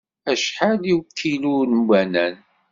Acḥal i ukilu n ubanan?